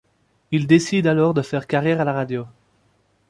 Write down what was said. Il décide alors de faire carrière à la radio.